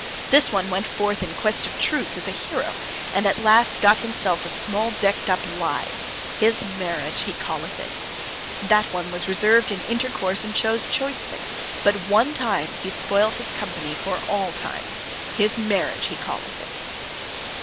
This one went forth in quest of truth as a hero, and at last got for himself a small decked up lie: his marriage he calleth it. That one was reserved in intercourse and chose choicely. But one time he spoilt his company for all time: his marriage he calleth it.